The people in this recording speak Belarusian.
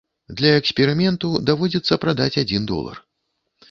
Для эксперыменту даводзіцца прадаць адзін долар.